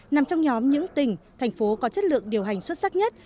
là một trong những tỉnh thành phố có chất lượng điều hành xuất sắc nhất